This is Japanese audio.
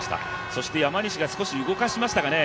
そして山西が少し動かしましたかね。